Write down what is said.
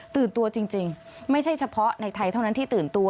ตัวจริงไม่ใช่เฉพาะในไทยเท่านั้นที่ตื่นตัว